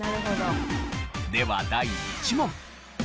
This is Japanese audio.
では第１問。